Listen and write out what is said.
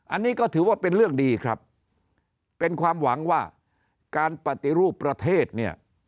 อันนี้ก็ถือว่าเป็นเรื่องดีครับเป็นความหวังว่าการปฏิรูปประเทศเนี่ย